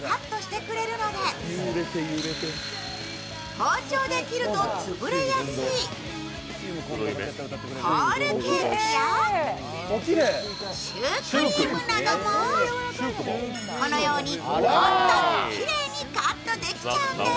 包丁で切ると潰れやすいホールケーキやシュークリームなどもこのように簡単にきれいにカットできちゃうんです。